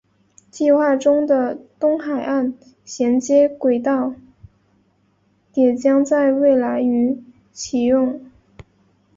计划中的东海岸衔接铁道也将在未来于启用。